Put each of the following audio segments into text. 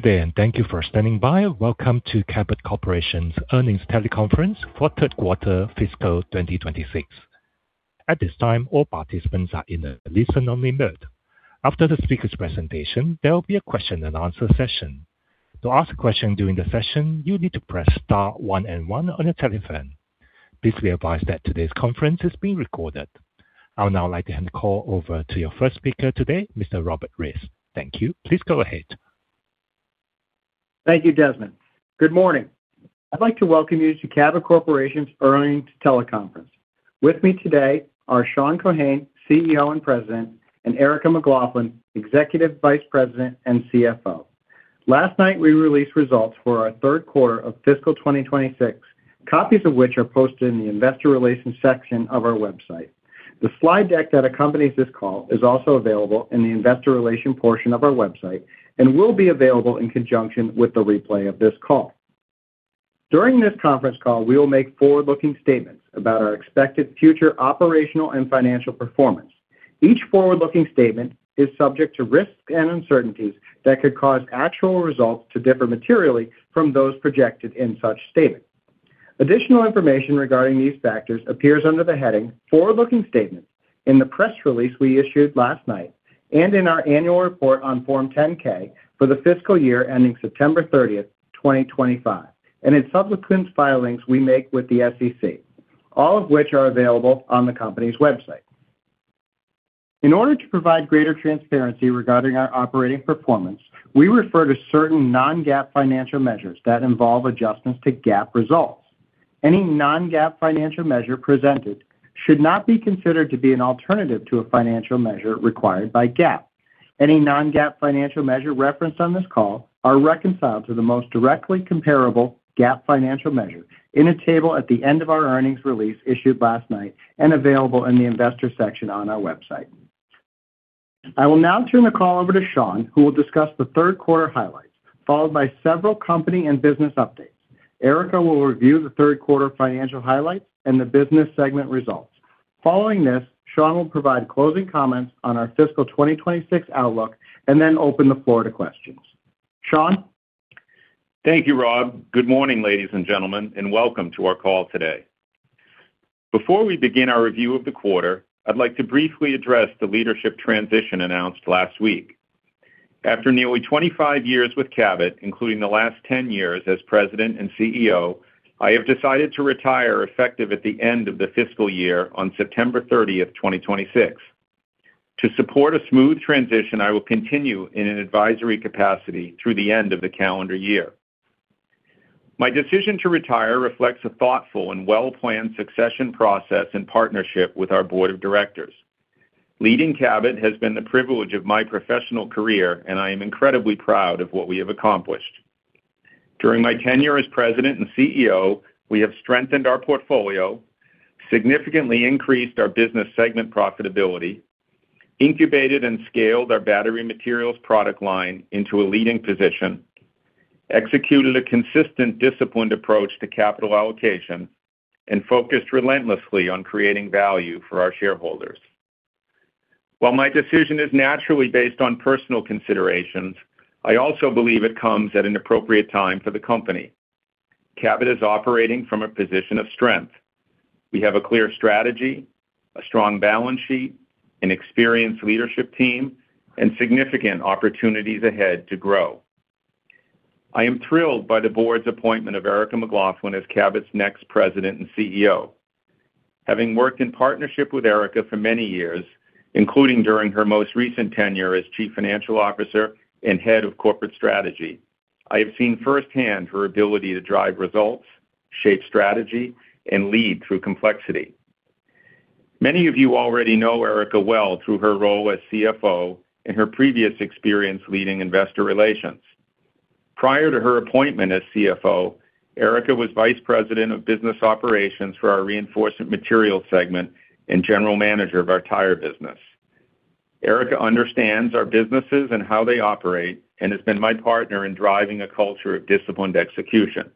Good day. Thank you for standing by. Welcome to Cabot Corporation's earnings teleconference for third quarter fiscal 2026. At this time, all participants are in a listen-only mode. After the speaker's presentation, there will be a question-and-answer session. To ask a question during the session, you need to press star one and one on your telephone. Please be advised that today's conference is being recorded. I would now like to hand the call over to your first speaker today, Mr. Robert Rist. Thank you. Please go ahead. Thank you, Desmond. Good morning. I'd like to welcome you to Cabot Corporation's earnings teleconference. With me today are Sean Keohane, CEO and President, and Erica McLaughlin, Executive Vice President and CFO. Last night, we released results for our third quarter of fiscal 2026, copies of which are posted in the investor relations section of our website. The slide deck that accompanies this call is also available in the investor relation portion of our website and will be available in conjunction with the replay of this call. During this conference call, we will make forward-looking statements about our expected future operational and financial performance. Each forward-looking statement is subject to risks and uncertainties that could cause actual results to differ materially from those projected in such statements. Additional information regarding these factors appears under the heading "Forward-Looking Statements" in the press release we issued last night. In our annual report on Form 10-K for the fiscal year ending September 30, 2025, and in subsequent filings we make with the SEC, all of which are available on the company's website. In order to provide greater transparency regarding our operating performance, we refer to certain non-GAAP financial measures that involve adjustments to GAAP results. Any non-GAAP financial measure presented should not be considered to be an alternative to a financial measure required by GAAP. Any non-GAAP financial measure referenced on this call are reconciled to the most directly comparable GAAP financial measure in a table at the end of our earnings release issued last night and available in the investor section on our website. I will now turn the call over to Sean, who will discuss the third quarter highlights, followed by several company and business updates. Erica will review the third quarter financial highlights and the business segment results. Following this, Sean will provide closing comments on our fiscal 2026 outlook and then open the floor to questions. Sean? Thank you, Rob. Good morning, ladies and gentlemen, and welcome to our call today. Before we begin our review of the quarter, I'd like to briefly address the leadership transition announced last week. After nearly 25 years with Cabot, including the last 10 years as president and CEO, I have decided to retire effective at the end of the fiscal year on September 30, 2026. To support a smooth transition, I will continue in an advisory capacity through the end of the calendar year. My decision to retire reflects a thoughtful and well-planned succession process in partnership with our board of directors. Leading Cabot has been the privilege of my professional career, and I am incredibly proud of what we have accomplished. During my tenure as president and CEO, we have strengthened our portfolio, significantly increased our business segment profitability, incubated and scaled our battery materials product line into a leading position, executed a consistent, disciplined approach to capital allocation, and focused relentlessly on creating value for our shareholders. While my decision is naturally based on personal considerations, I also believe it comes at an appropriate time for the company. Cabot is operating from a position of strength. We have a clear strategy, a strong balance sheet, an experienced leadership team, and significant opportunities ahead to grow. I am thrilled by the board's appointment of Erica McLaughlin as Cabot's next president and CEO. Having worked in partnership with Erica for many years, including during her most recent tenure as chief financial officer and head of corporate strategy, I have seen firsthand her ability to drive results, shape strategy, and lead through complexity. Many of you already know Erica well through her role as CFO and her previous experience leading investor relations. Prior to her appointment as CFO, Erica was vice president of business operations for our Reinforcement Materials segment and general manager of our tire business. Erica understands our businesses and how they operate and has been my partner in driving a culture of disciplined execution.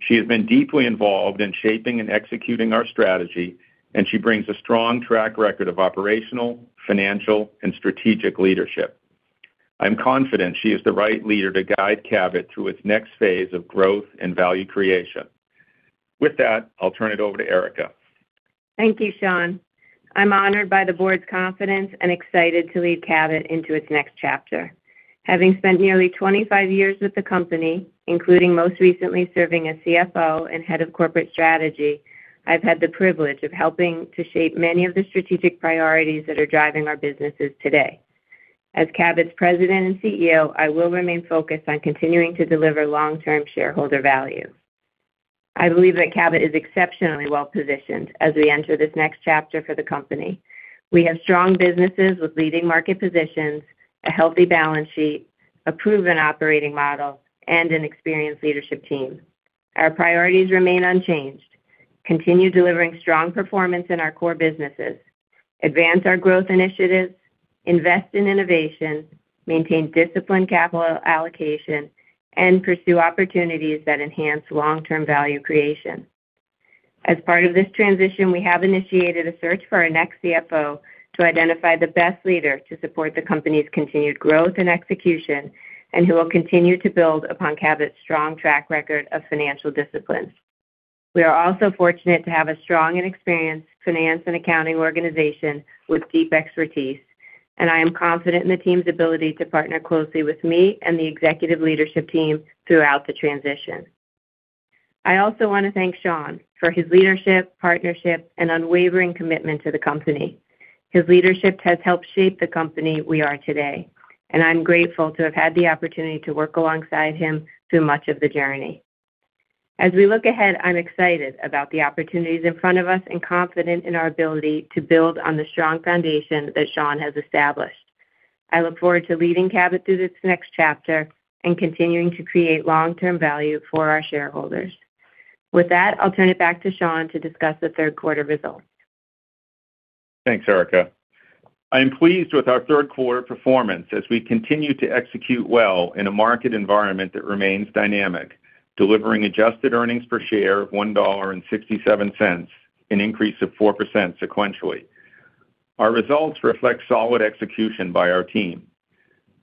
She has been deeply involved in shaping and executing our strategy, and she brings a strong track record of operational, financial, and strategic leadership. I'm confident she is the right leader to guide Cabot through its next phase of growth and value creation. With that, I'll turn it over to Erica. Thank you, Sean. I'm honored by the board's confidence and excited to lead Cabot into its next chapter. Having spent nearly 25 years with the company, including most recently serving as CFO and head of corporate strategy, I've had the privilege of helping to shape many of the strategic priorities that are driving our businesses today. As Cabot's president and CEO, I will remain focused on continuing to deliver long-term shareholder value. I believe that Cabot is exceptionally well-positioned as we enter this next chapter for the company. We have strong businesses with leading market positions, a healthy balance sheet, a proven operating model, and an experienced leadership team. Our priorities remain unchanged: continue delivering strong performance in our core businesses, advance our growth initiatives, invest in innovation, maintain disciplined capital allocation, and pursue opportunities that enhance long-term value creation. As part of this transition, we have initiated a search for our next CFO to identify the best leader to support the company's continued growth and execution, and who will continue to build upon Cabot's strong track record of financial discipline. We are also fortunate to have a strong and experienced finance and accounting organization with deep expertise, and I am confident in the team's ability to partner closely with me and the executive leadership team throughout the transition. I also want to thank Sean for his leadership, partnership, and unwavering commitment to the company. His leadership has helped shape the company we are today, and I'm grateful to have had the opportunity to work alongside him through much of the journey. As we look ahead, I'm excited about the opportunities in front of us and confident in our ability to build on the strong foundation that Sean has established. I look forward to leading Cabot through this next chapter and continuing to create long-term value for our shareholders. With that, I'll turn it back to Sean to discuss the third quarter results. Thanks, Erica. I am pleased with our third quarter performance as we continue to execute well in a market environment that remains dynamic, delivering adjusted earnings per share of $1.67, an increase of 4% sequentially. Our results reflect solid execution by our team.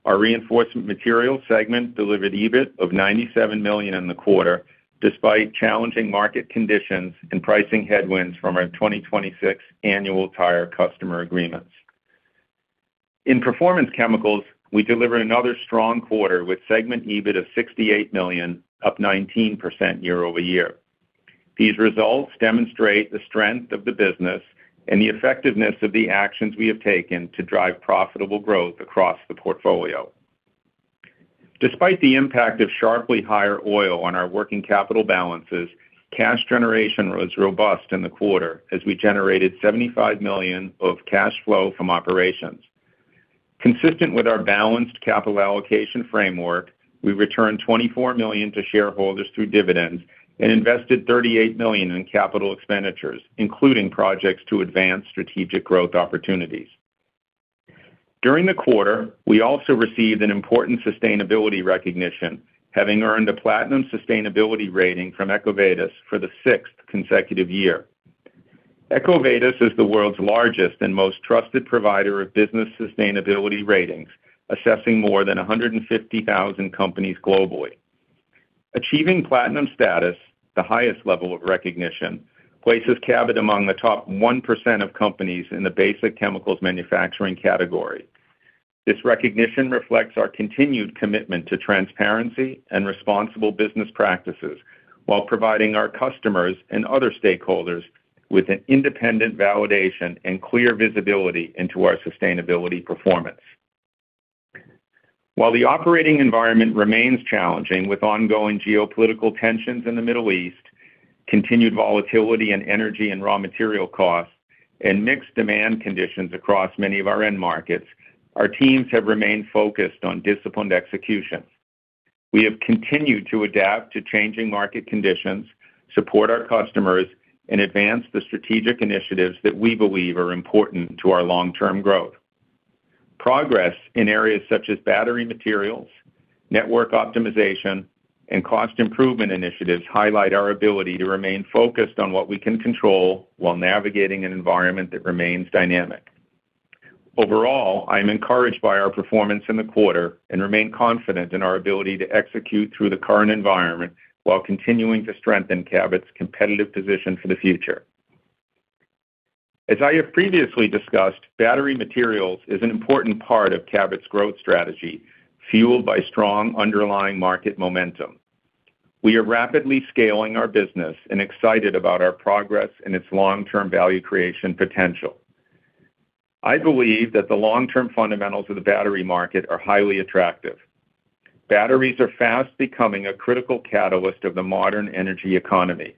Our Reinforcement Materials segment delivered EBIT of $97 million in the quarter, despite challenging market conditions and pricing headwinds from our 2026 annual tire customer agreements. In Performance Chemicals, we delivered another strong quarter with segment EBIT of $68 million, up 19% year-over-year. These results demonstrate the strength of the business and the effectiveness of the actions we have taken to drive profitable growth across the portfolio. Despite the impact of sharply higher oil on our working capital balances, cash generation was robust in the quarter as we generated $75 million of cash flow from operations. Consistent with our balanced capital allocation framework, we returned $24 million to shareholders through dividends and invested $38 million in capital expenditures, including projects to advance strategic growth opportunities. During the quarter, we also received an important sustainability recognition, having earned a platinum sustainability rating from EcoVadis for the sixth consecutive year. EcoVadis is the world's largest and most trusted provider of business sustainability ratings, assessing more than 150,000 companies globally. Achieving platinum status, the highest level of recognition, places Cabot among the top 1% of companies in the basic chemicals manufacturing category. This recognition reflects our continued commitment to transparency and responsible business practices while providing our customers and other stakeholders with an independent validation and clear visibility into our sustainability performance. While the operating environment remains challenging with ongoing geopolitical tensions in the Middle East, continued volatility in energy and raw material costs, and mixed demand conditions across many of our end markets, our teams have remained focused on disciplined execution. We have continued to adapt to changing market conditions, support our customers, and advance the strategic initiatives that we believe are important to our long-term growth. Progress in areas such as battery materials, network optimization, and cost improvement initiatives highlight our ability to remain focused on what we can control while navigating an environment that remains dynamic. Overall, I am encouraged by our performance in the quarter and remain confident in our ability to execute through the current environment while continuing to strengthen Cabot's competitive position for the future. As I have previously discussed, battery materials is an important part of Cabot's growth strategy, fueled by strong underlying market momentum. We are rapidly scaling our business and excited about our progress and its long-term value creation potential. I believe that the long-term fundamentals of the battery market are highly attractive. Batteries are fast becoming a critical catalyst of the modern energy economy.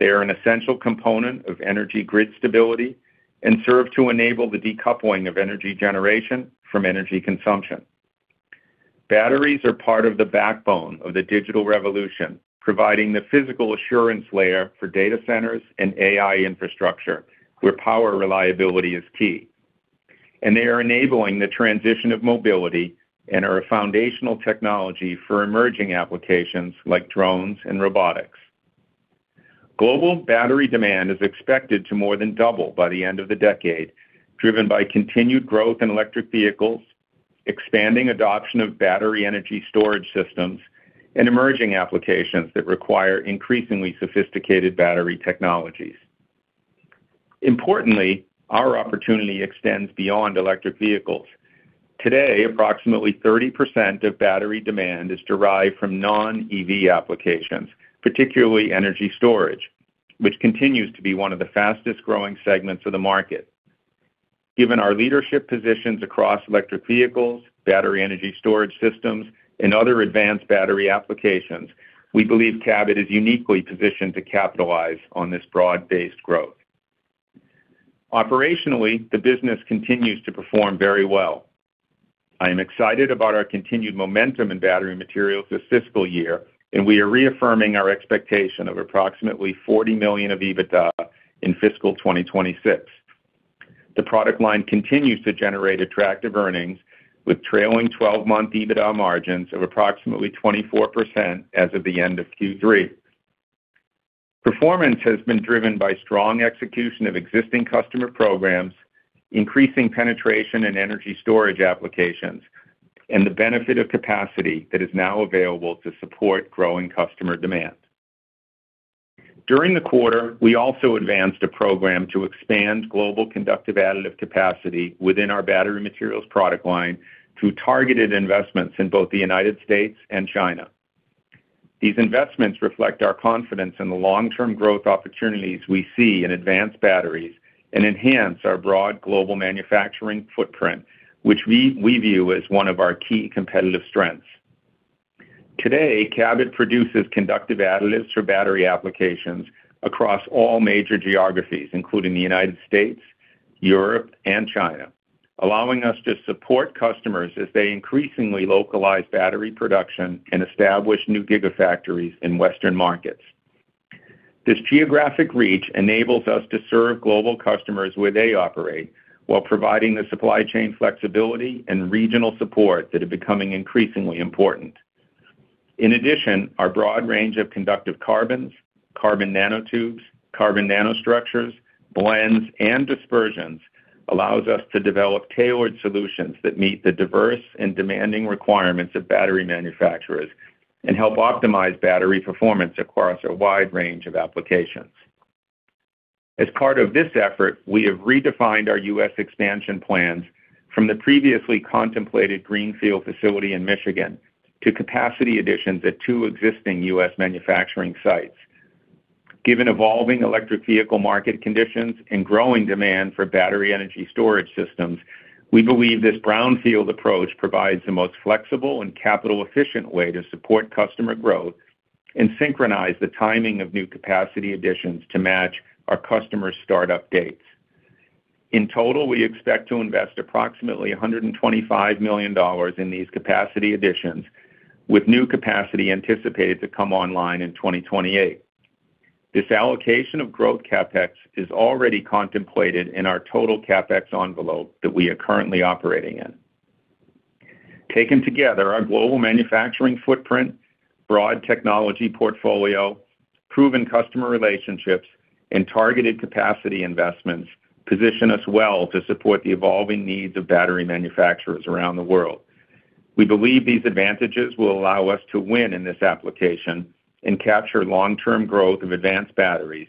They are an essential component of energy grid stability and serve to enable the decoupling of energy generation from energy consumption. Batteries are part of the backbone of the digital revolution, providing the physical assurance layer for data centers and AI infrastructure where power reliability is key. And they are enabling the transition of mobility and are a foundational technology for emerging applications like drones and robotics. Global battery demand is expected to more than double by the end of the decade, driven by continued growth in electric vehicles, expanding adoption of battery energy storage systems, and emerging applications that require increasingly sophisticated battery technologies. Importantly, our opportunity extends beyond electric vehicles. Today, approximately 30% of battery demand is derived from non-EV applications, particularly energy storage, which continues to be one of the fastest-growing segments of the market. Given our leadership positions across electric vehicles, battery energy storage systems, and other advanced battery applications, we believe Cabot is uniquely positioned to capitalize on this broad-based growth. Operationally, the business continues to perform very well. I am excited about our continued momentum in battery materials this fiscal year, and we are reaffirming our expectation of approximately $40 million of EBITDA in fiscal 2026. The product line continues to generate attractive earnings, with trailing 12-month EBITDA margins of approximately 24% as of the end of Q3. Performance has been driven by strong execution of existing customer programs, increasing penetration in energy storage applications, and the benefit of capacity that is now available to support growing customer demand. During the quarter, we also advanced a program to expand global conductive additive capacity within our battery materials product line through targeted investments in both the United States and China. These investments reflect our confidence in the long-term growth opportunities we see in advanced batteries and enhance our broad global manufacturing footprint, which we view as one of our key competitive strengths. Today, Cabot produces conductive additives for battery applications across all major geographies, including the United States, Europe, and China, allowing us to support customers as they increasingly localize battery production and establish new gigafactories in Western markets. This geographic reach enables us to serve global customers where they operate while providing the supply chain flexibility and regional support that are becoming increasingly important. In addition, our broad range of conductive carbons, carbon nanotubes, carbon nanostructures, blends, and dispersions allows us to develop tailored solutions that meet the diverse and demanding requirements of battery manufacturers and help optimize battery performance across a wide range of applications. As part of this effort, we have redefined our U.S. expansion plans from the previously contemplated greenfield facility in Michigan to capacity additions at two existing U.S. manufacturing sites. Given evolving electric vehicle market conditions and growing demand for battery energy storage systems, we believe this brownfield approach provides the most flexible and capital-efficient way to support customer growth and synchronize the timing of new capacity additions to match our customers' start-up dates. In total, we expect to invest approximately $125 million in these capacity additions, with new capacity anticipated to come online in 2028. This allocation of growth CapEx is already contemplated in our total CapEx envelope that we are currently operating in. Taken together, our global manufacturing footprint, broad technology portfolio, proven customer relationships, and targeted capacity investments position us well to support the evolving needs of battery manufacturers around the world. We believe these advantages will allow us to win in this application and capture long-term growth of advanced batteries,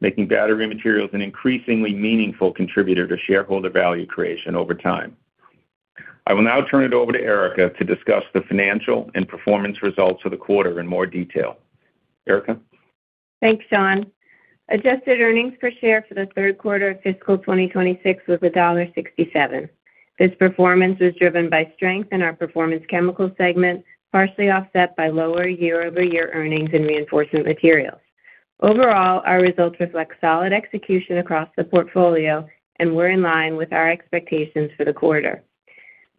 making battery materials an increasingly meaningful contributor to shareholder value creation over time. I will now turn it over to Erica to discuss the financial and performance results for the quarter in more detail. Erica? Thanks, Sean. Adjusted earnings per share for the third quarter of fiscal 2026 was $1.67. This performance was driven by strength in our Performance Chemicals segment, partially offset by lower year-over-year earnings and Reinforcement Materials. Overall, our results reflect solid execution across the portfolio, and we're in line with our expectations for the quarter.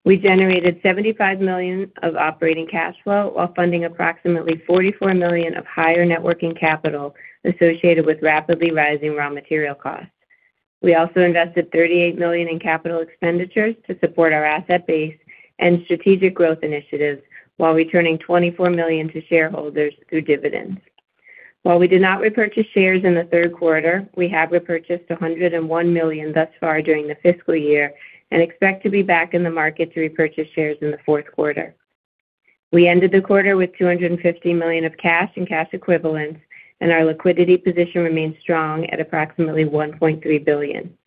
We generated $75 million of operating cash flow while funding approximately $44 million of higher net working capital associated with rapidly rising raw material costs. We also invested $38 million in capital expenditures to support our asset base and strategic growth initiatives while returning $24 million to shareholders through dividends. While we did not repurchase shares in the third quarter, we have repurchased $101 million thus far during the fiscal year and expect to be back in the market to repurchase shares in the fourth quarter. We ended the quarter with $250 million of cash and cash equivalents, and our liquidity position remains strong at approximately $1.3 billion.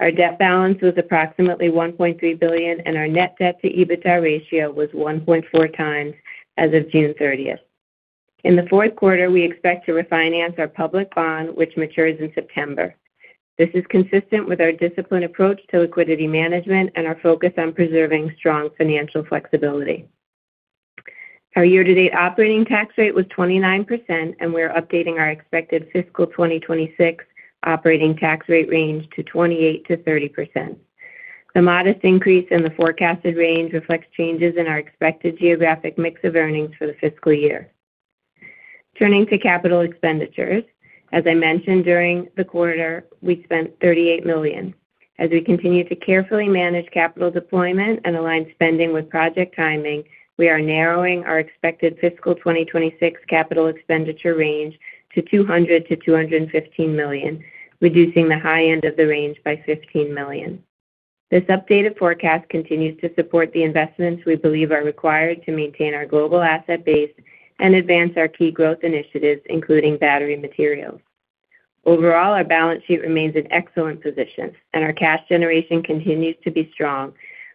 Our debt balance was approximately $1.3 billion, and our net debt to EBITDA ratio was 1.4x as of June 30th. In the fourth quarter, we expect to refinance our public bond, which matures in September. This is consistent with our disciplined approach to liquidity management and our focus on preserving strong financial flexibility. Our year-to-date operating tax rate was 29%, and we are updating our expected fiscal 2026 operating tax rate range to 28%-30%. The modest increase in the forecasted range reflects changes in our expected geographic mix of earnings for the fiscal year. Turning to capital expenditures, as I mentioned during the quarter, we spent $38 million. As we continue to carefully manage capital deployment and align spending with project timing, we are narrowing our expected fiscal 2026 CapEx range to $200 million-$215 million, reducing the high end of the range by $15 million. This updated forecast continues to support the investments we believe are required to maintain our global asset base and advance our key growth initiatives, including battery materials. Overall, our balance sheet remains in excellent position, and our cash generation continues to be strong,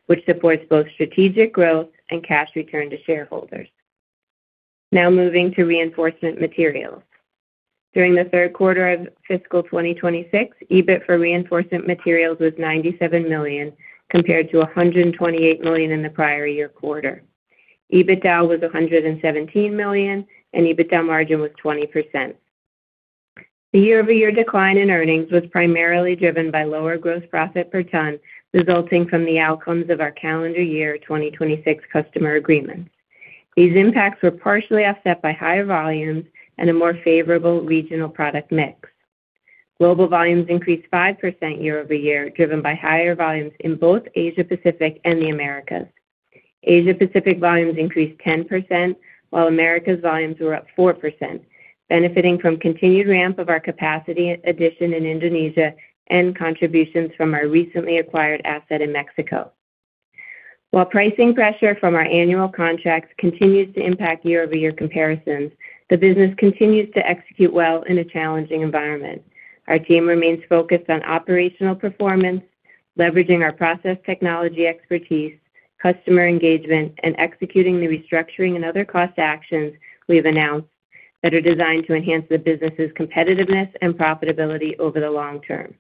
which supports both strategic growth and cash return to shareholders. Now moving to Reinforcement Materials. During the third quarter of fiscal 2026, EBIT for Reinforcement Materials was $97 million, compared to $128 million in the prior year quarter. EBITDA was $117 million, and EBITDA margin was 20%. The year-over-year decline in earnings was primarily driven by lower gross profit per ton resulting from the outcomes of our calendar year 2026 customer agreements. These impacts were partially offset by higher volumes and a more favorable regional product mix. Global volumes increased 5% year-over-year, driven by higher volumes in both Asia Pacific and the Americas. Asia Pacific volumes increased 10%, while Americas volumes were up 4%, benefiting from continued ramp of our capacity addition in Indonesia and contributions from our recently acquired asset in Mexico. While pricing pressure from our annual contracts continues to impact year-over-year comparisons, the business continues to execute well in a challenging environment. Our team remains focused on operational performance, leveraging our process technology expertise, customer engagement, and executing the restructuring and other cost actions we have announced that are designed to enhance the business' competitiveness and profitability over the long term.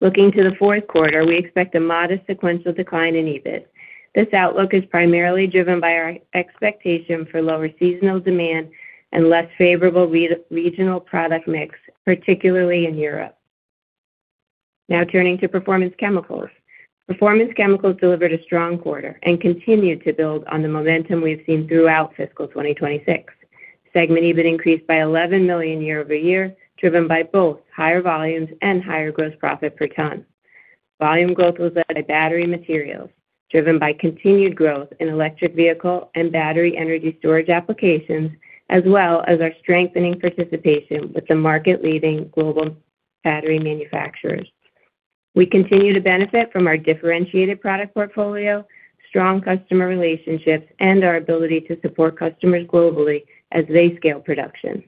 Looking to the fourth quarter, we expect a modest sequential decline in EBIT. This outlook is primarily driven by our expectation for lower seasonal demand and less favorable regional product mix, particularly in Europe. Now turning to Performance Chemicals. Performance Chemicals delivered a strong quarter and continued to build on the momentum we've seen throughout fiscal 2026. Segment EBIT increased by $11 million year-over-year, driven by both higher volumes and higher gross profit per ton. Volume growth was led by battery materials, driven by continued growth in electric vehicle and battery energy storage applications, as well as our strengthening participation with the market-leading global battery manufacturers. We continue to benefit from our differentiated product portfolio, strong customer relationships, and our ability to support customers globally as they scale production.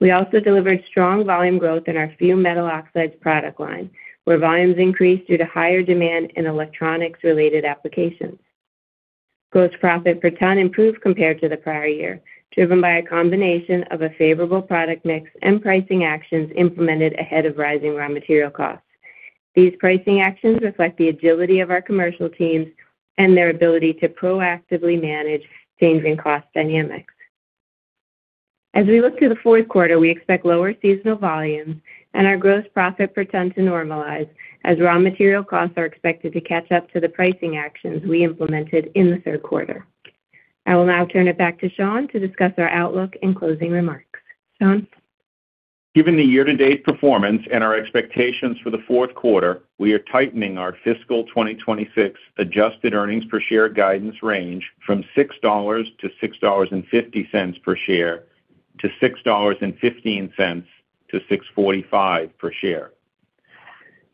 We also delivered strong volume growth in our fumed metal oxides product line, where volumes increased due to higher demand in electronics-related applications. Gross profit per ton improved compared to the prior year, driven by a combination of a favorable product mix and pricing actions implemented ahead of rising raw material costs. These pricing actions reflect the agility of our commercial teams and their ability to proactively manage changing cost dynamics. As we look to the fourth quarter, we expect lower seasonal volumes and our gross profit per ton to normalize as raw material costs are expected to catch up to the pricing actions we implemented in the third quarter. I will now turn it back to Sean to discuss our outlook and closing remarks. Sean? Given the year-to-date performance and our expectations for the fourth quarter, we are tightening our fiscal 2026 adjusted earnings per share guidance range from $6-$6.50 per share to $6.15-$6.45 per share.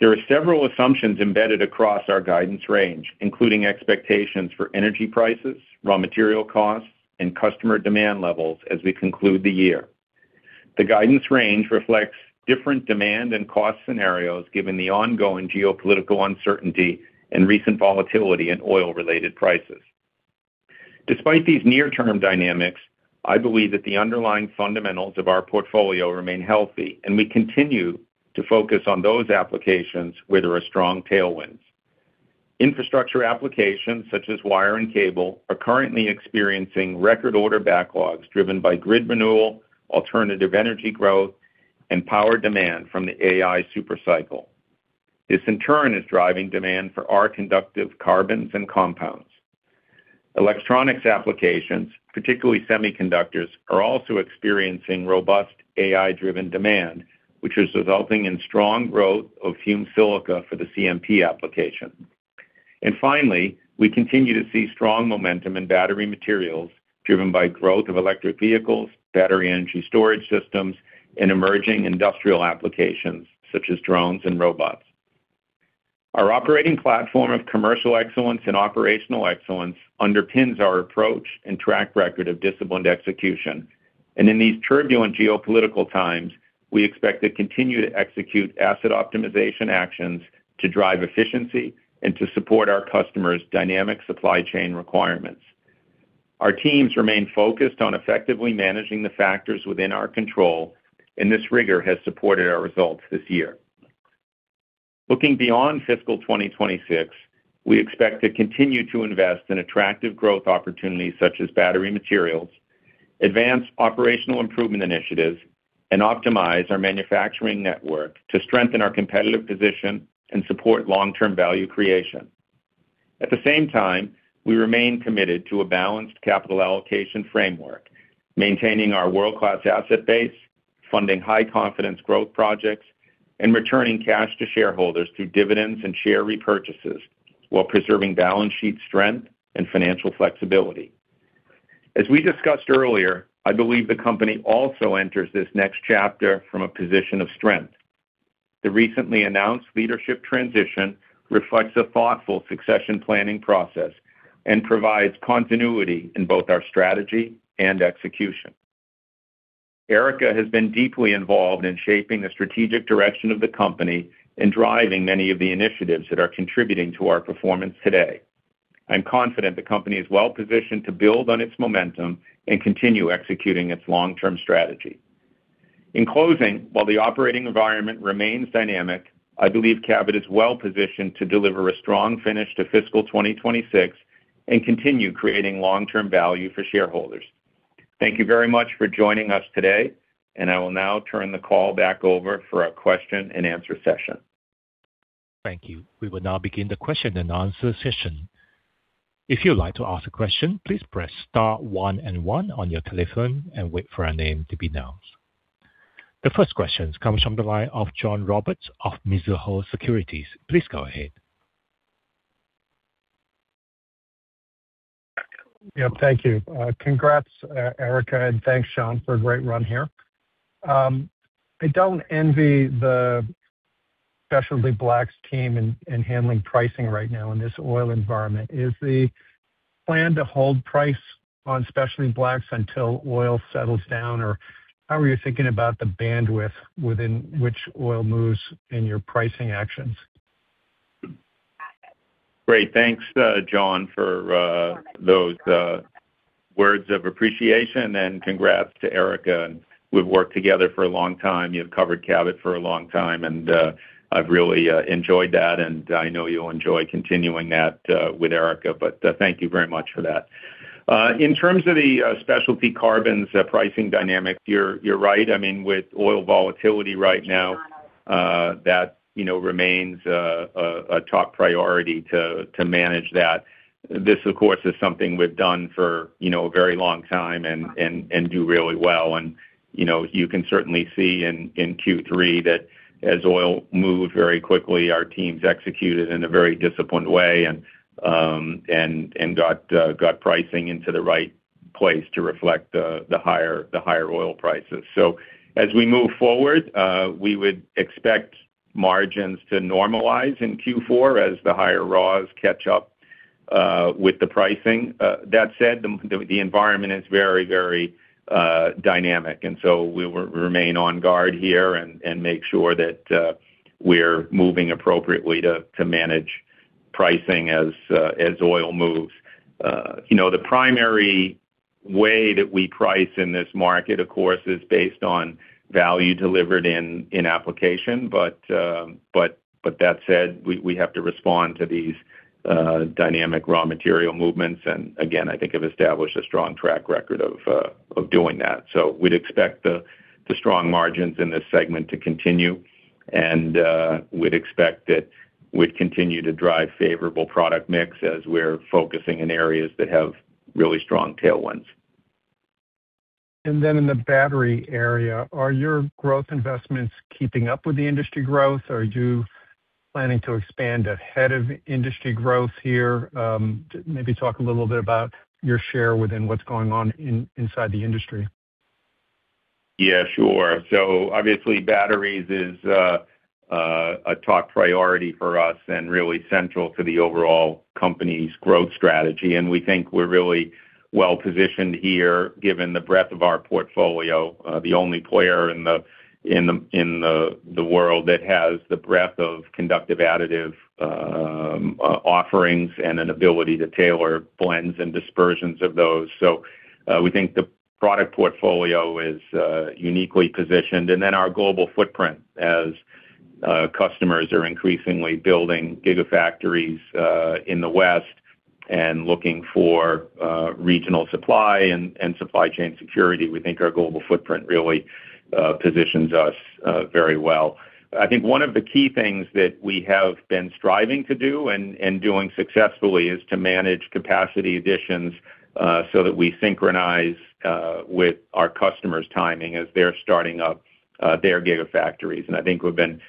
There are several assumptions embedded across our guidance range, including expectations for energy prices, raw material costs, and customer demand levels as we conclude the year. The guidance range reflects different demand and cost scenarios given the ongoing geopolitical uncertainty and recent volatility in oil-related prices. Despite these near-term dynamics, I believe that the underlying fundamentals of our portfolio remain healthy, and we continue to focus on those applications where there are strong tailwinds. Infrastructure applications, such as wire and cable, are currently experiencing record order backlogs driven by grid renewal, alternative energy growth, and power demand from the AI super cycle. This, in turn, is driving demand for our conductive carbons and compounds. Electronics applications, particularly semiconductors, are also experiencing robust AI-driven demand, which is resulting in strong growth of fumed silica for the CMP application. Finally, we continue to see strong momentum in battery materials driven by growth of electric vehicles, battery energy storage systems, and emerging industrial applications such as drones and robots. Our operating platform of commercial excellence and operational excellence underpins our approach and track record of disciplined execution. In these turbulent geopolitical times, we expect to continue to execute asset optimization actions to drive efficiency and to support our customers' dynamic supply chain requirements. Our teams remain focused on effectively managing the factors within our control, and this rigor has supported our results this year. Looking beyond fiscal 2026, we expect to continue to invest in attractive growth opportunities such as battery materials, advance operational improvement initiatives, and optimize our manufacturing network to strengthen our competitive position and support long-term value creation. At the same time, we remain committed to a balanced capital allocation framework, maintaining our world-class asset base, funding high-confidence growth projects, and returning cash to shareholders through dividends and share repurchases while preserving balance sheet strength and financial flexibility. As we discussed earlier, I believe the company also enters this next chapter from a position of strength. The recently announced leadership transition reflects a thoughtful succession planning process and provides continuity in both our strategy and execution. Erica has been deeply involved in shaping the strategic direction of the company and driving many of the initiatives that are contributing to our performance today. I'm confident the company is well-positioned to build on its momentum and continue executing its long-term strategy. In closing, while the operating environment remains dynamic, I believe Cabot is well-positioned to deliver a strong finish to fiscal 2026 and continue creating long-term value for shareholders. Thank you very much for joining us today, and I will now turn the call back over for a question and answer session. Thank you. We will now begin the question-and-answer session. If you would like to ask a question, please press star one and one on your telephone and wait for your name to be announced. The first question comes from the line of John Roberts of Mizuho Securities. Please go ahead. Yeah, thank you. Congrats, Erica, and thanks, Sean, for a great run here. I don't envy the Specialty Blacks team in handling pricing right now in this oil environment. Is the plan to hold price on Specialty Blacks until oil settles down? Or how are you thinking about the bandwidth within which oil moves in your pricing actions? Great. Thanks, John, for those words of appreciation and congrats to Erica. We've worked together for a long time. You've covered Cabot for a long time, and I've really enjoyed that, and I know you'll enjoy continuing that with Erica, but thank you very much for that. In terms of the Specialty Carbons pricing dynamics, you're right. With oil volatility right now, that remains a top priority to manage that. This, of course, is something we've done for a very long time and do really well. You can certainly see in Q3 that as oil moved very quickly, our teams executed in a very disciplined way and got pricing into the right place to reflect the higher oil prices. As we move forward, we would expect margins to normalize in Q4 as the higher raws catch up with the pricing. That said, the environment is very dynamic, and so we will remain on guard here and make sure that we're moving appropriately to manage pricing as oil moves. The primary way that we price in this market, of course, is based on value delivered in application. That said, we have to respond to these dynamic raw material movements, and again, I think have established a strong track record of doing that. We'd expect the strong margins in this segment to continue, and we'd expect that we'd continue to drive favorable product mix as we're focusing in areas that have really strong tailwinds. In the battery area, are your growth investments keeping up with the industry growth, or are you planning to expand ahead of industry growth here? Maybe talk a little bit about your share within what's going on inside the industry. Yeah, sure. Obviously batteries is a top priority for us and really central to the overall company's growth strategy, and we think we're really well-positioned here given the breadth of our portfolio. The only player in the world that has the breadth of conductive additive offerings and an ability to tailor blends and dispersions of those. We think the product portfolio is uniquely positioned. Our global footprint, as customers are increasingly building gigafactories in the West and looking for regional supply and supply chain security, we think our global footprint really positions us very well. I think one of the key things that we have been striving to do and doing successfully is to manage capacity additions so that we synchronize with our customers' timing as they're starting up their gigafactories. I think we've been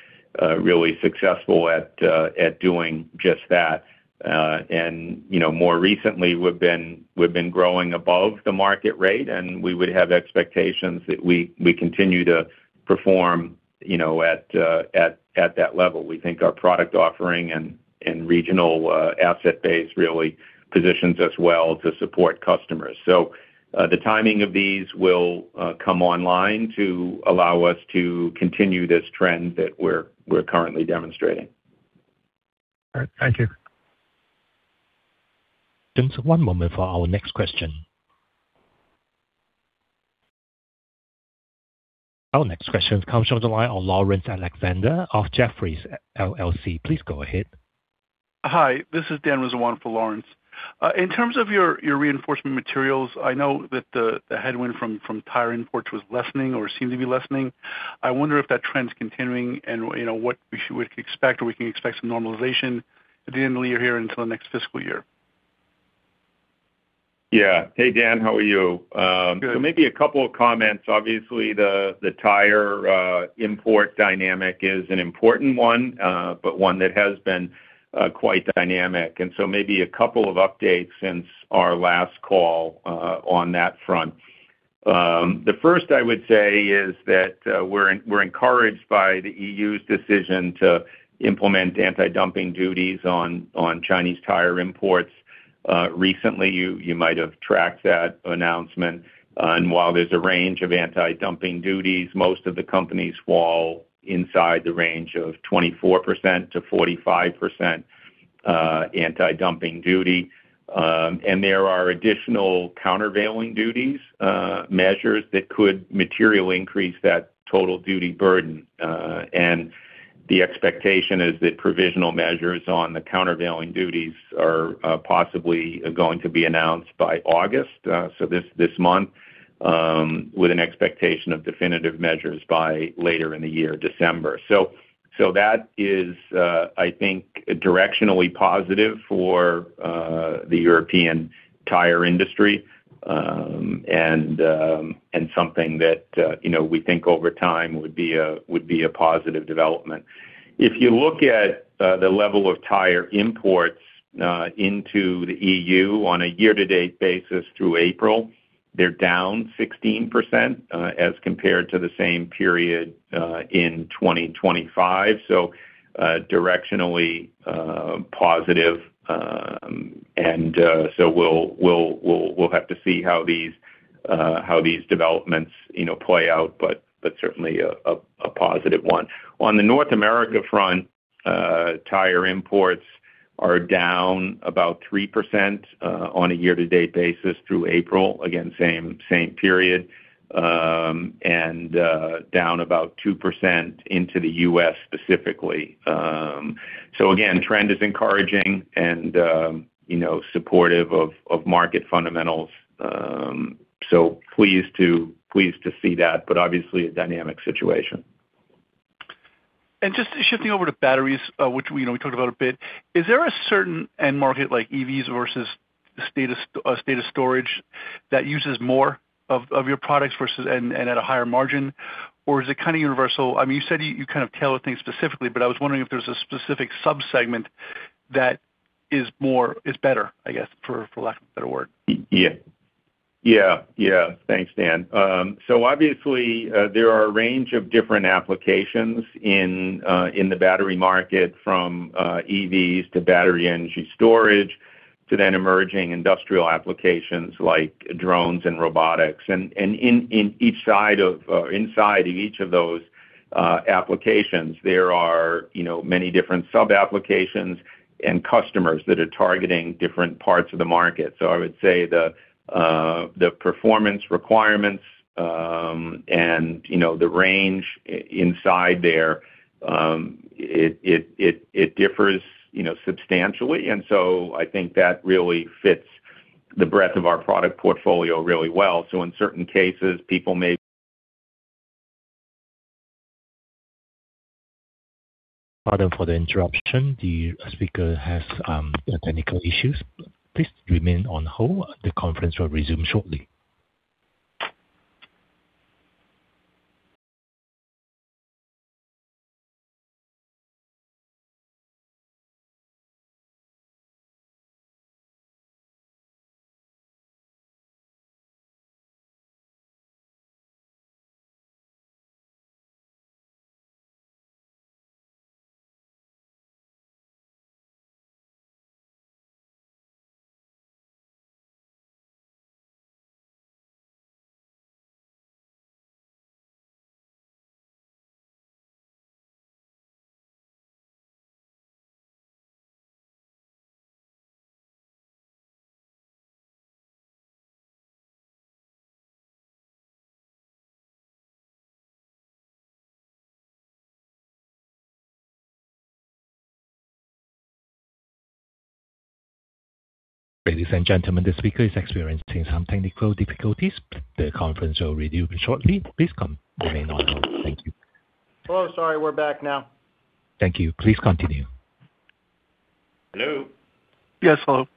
really successful at doing just that. More recently, we've been growing above the market rate, we would have expectations that we continue to perform at that level. We think our product offering and regional asset base really positions us well to support customers. The timing of these will come online to allow us to continue this trend that we're currently demonstrating. All right. Thank you. Just one moment for our next question. Our next question comes from the line of Laurence Alexander of Jefferies LLC. Please go ahead. Hi, this is Dan Rizzo for Laurence. In terms of your Reinforcement Materials, I know that the headwind from tire imports was lessening or seemed to be lessening. I wonder if that trend's continuing, and what we should expect, or we can expect some normalization at the end of the year here until next fiscal year. Yeah. Hey, Dan, how are you? Good. Maybe a couple of comments. Obviously, the tire import dynamic is an important one, but one that has been quite dynamic. Maybe a couple of updates since our last call on that front. The first I would say is that we're encouraged by the EU's decision to implement anti-dumping duties on Chinese tire imports recently. You might have tracked that announcement. While there's a range of anti-dumping duties, most of the companies fall inside the range of 24%-45% anti-dumping duty. There are additional countervailing duties measures that could materially increase that total duty burden. The expectation is that provisional measures on the countervailing duties are possibly going to be announced by August, so this month, with an expectation of definitive measures by later in the year, December. So that is, I think, directionally positive for the European tire industry. Something that we think over time would be a positive development. If you look at the level of tire imports into the EU on a year-to-date basis through April, they're down 16% as compared to the same period in 2025. Directionally positive. We'll have to see how these developments play out, but certainly a positive one. On the North America front, tire imports are down about 3% on a year-to-date basis through April. Again, same period, and down about 2% into the U.S. specifically. Again, trend is encouraging and supportive of market fundamentals. Pleased to see that, but obviously a dynamic situation. Just shifting over to batteries, which we talked about a bit. Is there a certain end market like EVs versus battery energy storage that uses more of your products and at a higher margin? Is it kind of universal? You said you kind of tailor things specifically, but I was wondering if there's a specific sub-segment that is better, I guess, for lack of a better word. Thanks, Dan. Obviously, there are a range of different applications in the battery market, from EVs to battery energy storage, to then emerging industrial applications like drones and robotics. Inside each of those applications, there are many different sub-applications and customers that are targeting different parts of the market. I would say the performance requirements and the range inside there, it differs substantially. I think that really fits the breadth of our product portfolio really well. In certain cases, people may- Pardon for the interruption. The speaker has technical issues. Please remain on hold. The conference will resume shortly. Ladies and gentlemen, the speaker is experiencing some technical difficulties. The conference will resume shortly. Please remain on hold. Thank you. Hello. Sorry, we're back now. Thank you. Please continue. Hello? Yes, hello.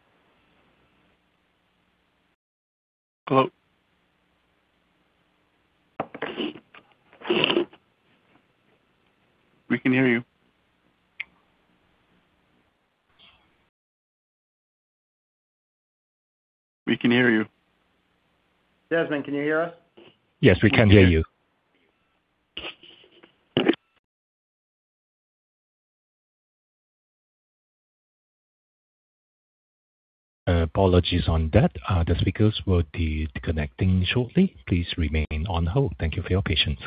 We can hear you. Desmond, can you hear us? Yes, we can hear you. Apologies on that. The speakers will be connecting shortly. Please remain on hold. Thank you for your patience.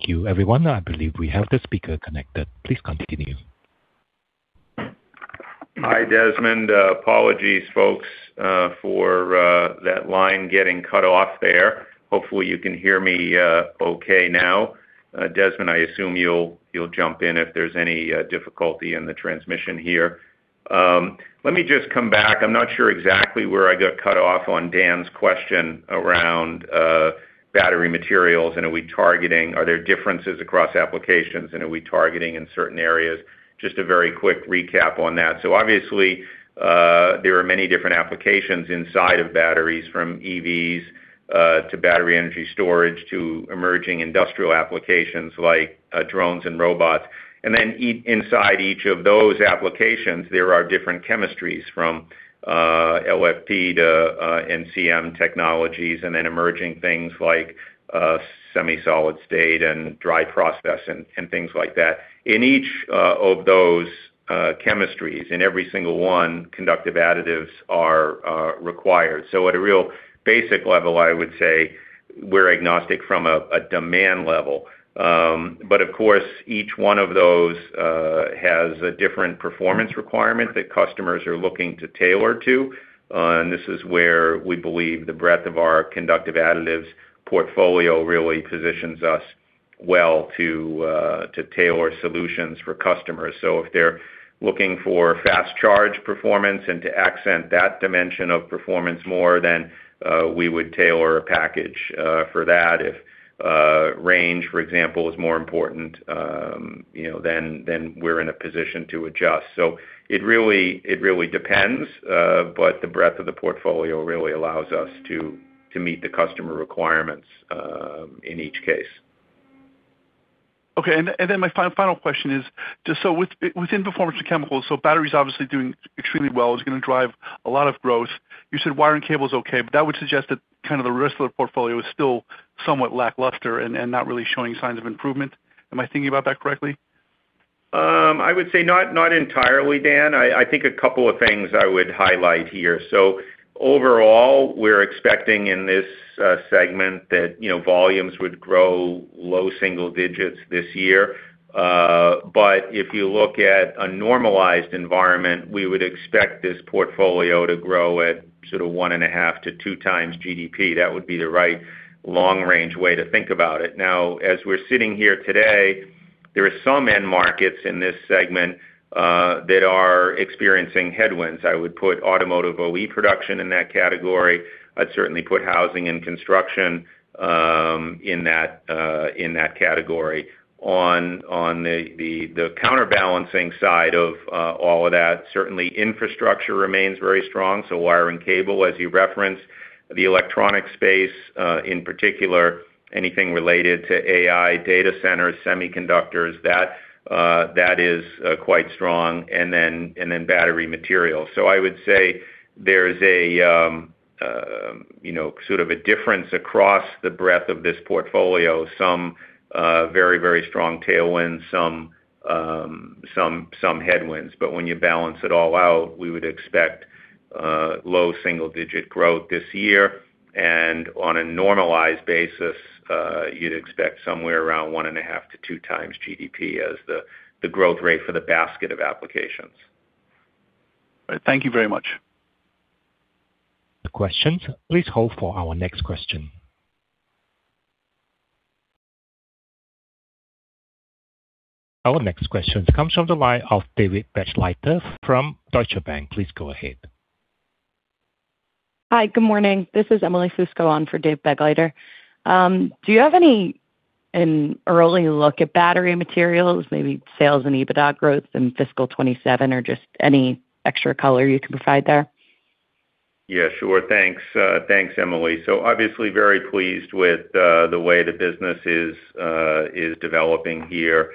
Thank you, everyone. I believe we have the speaker connected. Please continue. Hi, Desmond. Apologies, folks, for that line getting cut off there. Hopefully, you can hear me okay now. Desmond, I assume you'll jump in if there's any difficulty in the transmission here. Let me just come back. I'm not sure exactly where I got cut off on Dan's question around battery materials and are there differences across applications and are we targeting in certain areas? Just a very quick recap on that. Obviously, there are many different applications inside of batteries, from EVs to battery energy storage to emerging industrial applications like drones and robots. Then inside each of those applications, there are different chemistries, from LFP to NCM technologies, and then emerging things like semi-solid state and dry process and things like that. In each of those chemistries, in every single one, conductive additives are required. At a real basic level, I would say We're agnostic from a demand level. Of course, each one of those has a different performance requirement that customers are looking to tailor to. This is where we believe the breadth of our conductive additives portfolio really positions us well to tailor solutions for customers. If they're looking for fast charge performance and to accent that dimension of performance more, then we would tailor a package for that. If range, for example, is more important then we're in a position to adjust. It really depends, but the breadth of the portfolio really allows us to meet the customer requirements in each case. My final question is just within Performance Chemicals, battery's obviously doing extremely well, is going to drive a lot of growth. You said wire and cable is okay, that would suggest that kind of the rest of the portfolio is still somewhat lackluster and not really showing signs of improvement. Am I thinking about that correctly? I would say not entirely, Dan. I think a couple of things I would highlight here. Overall, we're expecting in this segment that volumes would grow low single digits this year. But if you look at a normalized environment, we would expect this portfolio to grow at sort of 1.5x to 2x GDP. That would be the right long-range way to think about it. Now, as we're sitting here today, there are some end markets in this segment that are experiencing headwinds. I would put automotive OE production in that category. I'd certainly put housing and construction in that category. On the counterbalancing side of all of that, certainly infrastructure remains very strong, so wire and cable, as you referenced, the electronic space, in particular, anything related to AI, data centers, semiconductors, that is quite strong, and then battery materials. I would say there's a sort of a difference across the breadth of this portfolio. Some very, very strong tailwinds, some headwinds. When you balance it all out, we would expect low single-digit growth this year. On a normalized basis, you'd expect somewhere around 1.5 to 2 times GDP as the growth rate for the basket of applications. Thank you very much. The questions, please hold for our next question. Our next question comes from the line of David Begleiter from Deutsche Bank. Please go ahead. Hi. Good morning. This is Emily Fusco on for Dave Begleiter. Do you have any early look at battery materials, maybe sales and EBITDA growth in FY 2027, or just any extra color you can provide there? Yeah, sure. Thanks, Emily. Obviously very pleased with the way the business is developing here.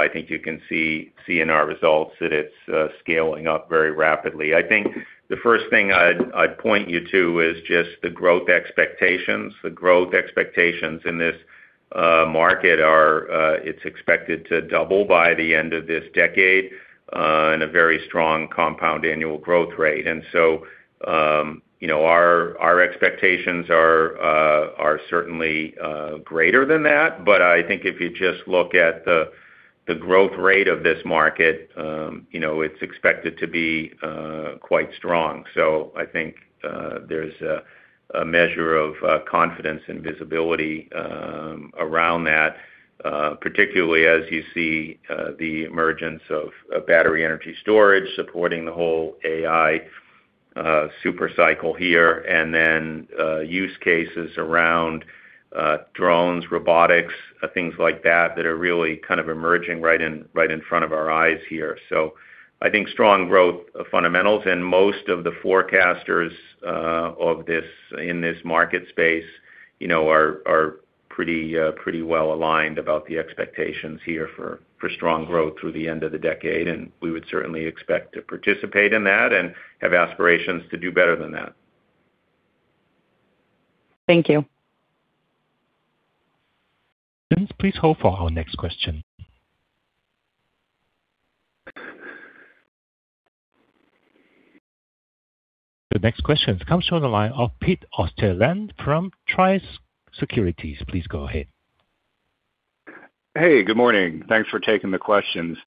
I think you can see in our results that it's scaling up very rapidly. I think the first thing I'd point you to is just the growth expectations. The growth expectations in this market are, it's expected to double by the end of this decade in a very strong compound annual growth rate. Our expectations are certainly greater than that. I think if you just look at the growth rate of this market it's expected to be quite strong. I think there's a measure of confidence and visibility around that particularly as you see the emergence of battery energy storage supporting the whole AI super cycle here. Use cases around drones, robotics, things like that are really kind of emerging right in front of our eyes here. I think strong growth fundamentals and most of the forecasters in this market space are pretty well aligned about the expectations here for strong growth through the end of the decade. We would certainly expect to participate in that and have aspirations to do better than that. Thank you. Please hold for our next question. The next question comes from the line of Pete Osterland from Truist Securities. Please go ahead. Hey, good morning. Thanks for taking the questions.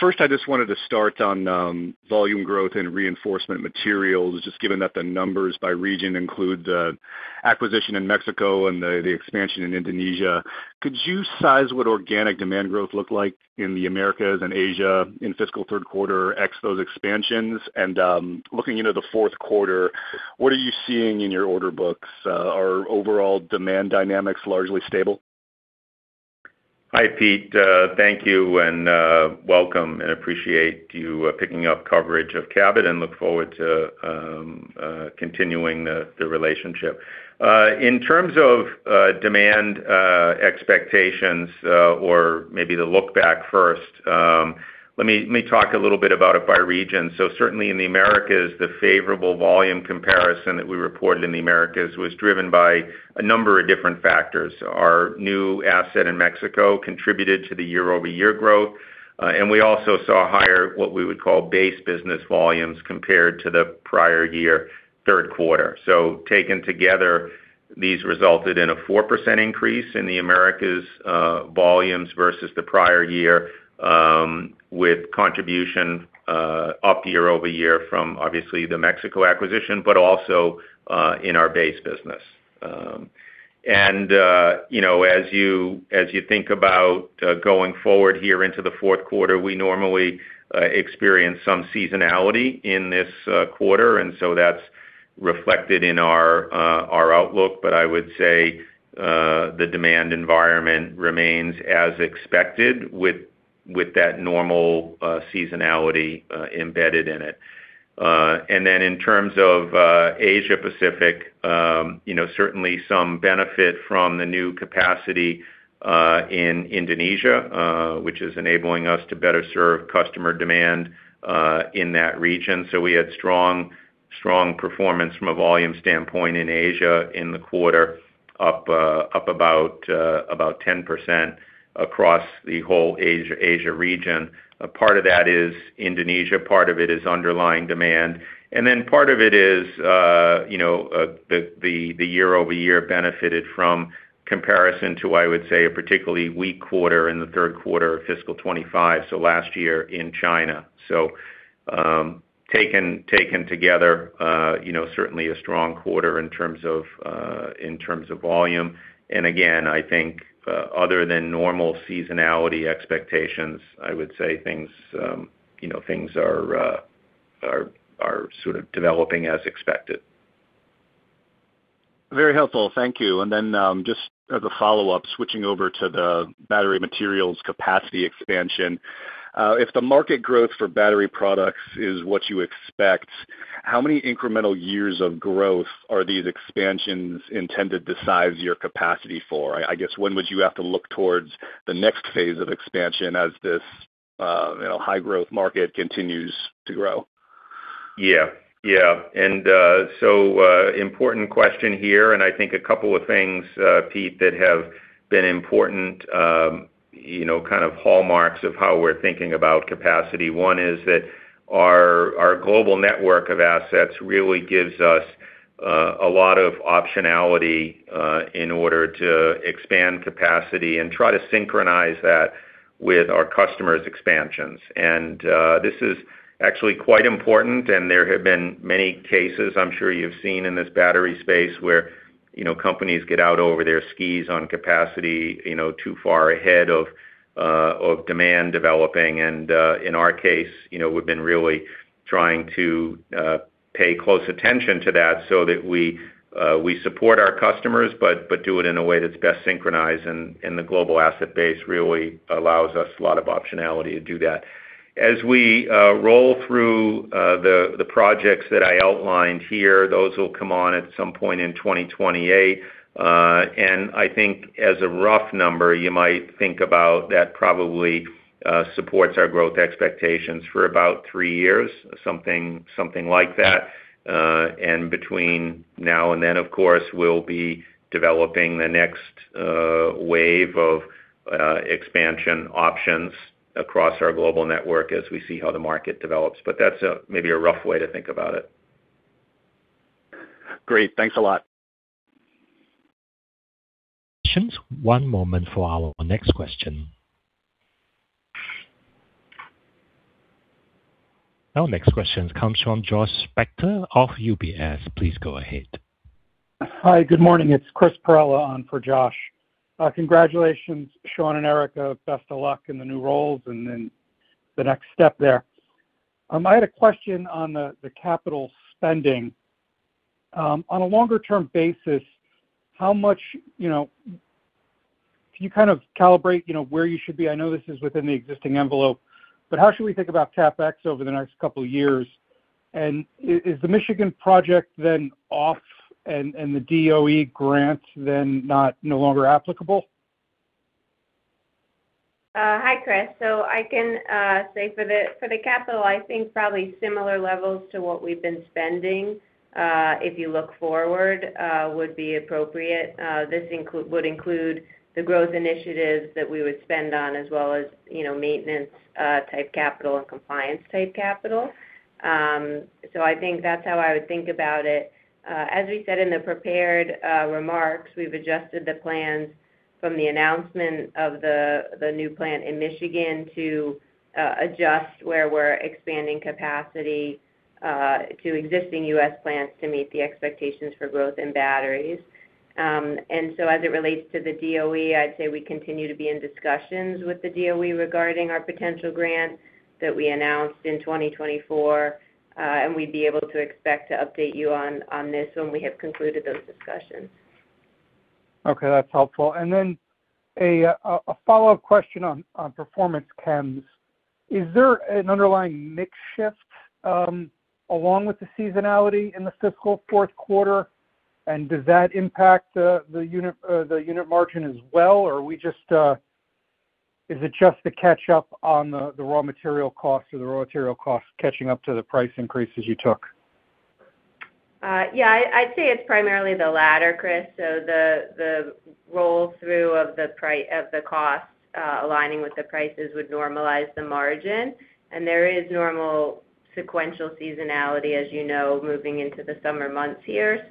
First, I just wanted to start on volume growth and Reinforcement Materials. Just given that the numbers by region include the acquisition in Mexico and the expansion in Indonesia, could you size what organic demand growth looked like in the Americas and Asia in fiscal third quarter ex those expansions? And looking into the fourth quarter, what are you seeing in your order books? Are overall demand dynamics largely stable? Hi, Pete. Thank you and welcome, and appreciate you picking up coverage of Cabot and look forward to continuing the relationship. In terms of demand expectations or maybe the look back first, let me talk a little bit about it by region. Certainly in the Americas, the favorable volume comparison that we reported in the Americas was driven by a number of different factors. Our new asset in Mexico contributed to the year-over-year growth. We also saw higher, what we would call base business volumes compared to the prior year third quarter. Taken together, these resulted in a 4% increase in the Americas' volumes versus the prior year, with contribution up year-over-year from, obviously, the Mexico acquisition, but also in our base business. As you think about going forward here into the fourth quarter, we normally experience some seasonality in this quarter, that's reflected in our outlook. I would say the demand environment remains as expected with that normal seasonality embedded in it. In terms of Asia Pacific, certainly some benefit from the new capacity in Indonesia, which is enabling us to better serve customer demand in that region. We had strong performance from a volume standpoint in Asia in the quarter, up about 10% across the whole Asia region. A part of that is Indonesia, part of it is underlying demand, and then part of it is the year-over-year benefited from comparison to, I would say, a particularly weak quarter in the third quarter of fiscal 2025, last year in China. Taken together, certainly a strong quarter in terms of volume. I think other than normal seasonality expectations, I would say things are sort of developing as expected. Very helpful. Thank you. Then just as a follow-up, switching over to the battery materials capacity expansion. If the market growth for battery products is what you expect, how many incremental years of growth are these expansions intended to size your capacity for? I guess, when would you have to look towards the next phase of expansion as this high-growth market continues to grow? Important question here, and I think a couple of things, Pete, that have been important kind of hallmarks of how we're thinking about capacity. One is that our global network of assets really gives us a lot of optionality in order to expand capacity and try to synchronize that with our customers' expansions. This is actually quite important, and there have been many cases I'm sure you've seen in this battery space where companies get out over their skis on capacity too far ahead of demand developing. In our case, we've been really trying to pay close attention to that so that we support our customers, but do it in a way that's best synchronized, and the global asset base really allows us a lot of optionality to do that. As we roll through the projects that I outlined here, those will come on at some point in 2028. I think as a rough number, you might think about that probably supports our growth expectations for about three years, something like that. Between now and then, of course, we'll be developing the next wave of expansion options across our global network as we see how the market develops. That's maybe a rough way to think about it. Great. Thanks a lot. Questions. One moment for our next question. Our next question comes from Josh Spector of UBS. Please go ahead. Hi. Good morning. It's Chris Perrella on for Josh. Congratulations, Sean and Erica. Best of luck in the new roles and in the next step there. I had a question on the capital spending. On a longer-term basis, can you kind of calibrate where you should be? I know this is within the existing envelope, but how should we think about CapEx over the next couple of years? Is the Michigan project then off and the DOE grant then no longer applicable? Hi, Chris. I can say for the capital, I think probably similar levels to what we've been spending, if you look forward, would be appropriate. This would include the growth initiatives that we would spend on as well as maintenance type capital and compliance type capital. I think that's how I would think about it. As we said in the prepared remarks, we've adjusted the plans from the announcement of the new plant in Michigan to adjust where we're expanding capacity to existing U.S. plants to meet the expectations for growth in batteries. As it relates to the DOE, I'd say we continue to be in discussions with the DOE regarding our potential grant that we announced in 2024. We'd be able to expect to update you on this when we have concluded those discussions. Okay, that's helpful. A follow-up question on Performance Chemicals. Is there an underlying mix shift along with the seasonality in the fiscal fourth quarter, and does that impact the unit margin as well, or is it just the catch up on the raw material cost or the raw material cost catching up to the price increases you took? Yeah. I'd say it's primarily the latter, Chris. The roll-through of the cost aligning with the prices would normalize the margin. There is normal sequential seasonality, as you know, moving into the summer months here.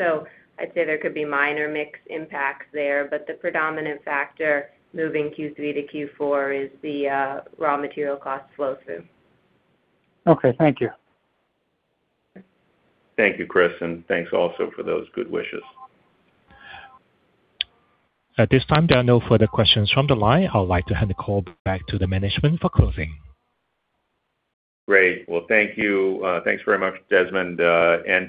I'd say there could be minor mix impacts there, but the predominant factor moving Q3 to Q4 is the raw material cost flow-through. Okay, thank you. Thank you, Chris, and thanks also for those good wishes. At this time, there are no further questions from the line. I would like to hand the call back to the management for closing. Great. Well, thank you. Thanks very much, Desmond.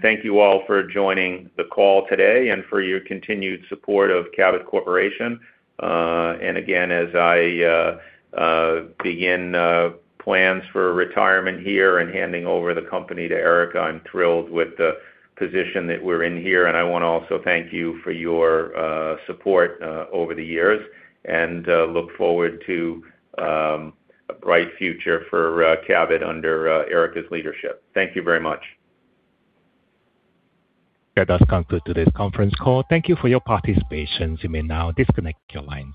Thank you all for joining the call today and for your continued support of Cabot Corporation. Again, as I begin plans for retirement here and handing over the company to Erica, I'm thrilled with the position that we're in here. I want to also thank you for your support over the years and look forward to a bright future for Cabot under Erica's leadership. Thank you very much. That does conclude today's conference call. Thank you for your participation. You may now disconnect your lines.